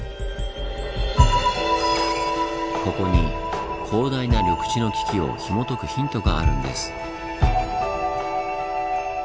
ここに広大な緑地の危機をひもとくヒントがあるんです。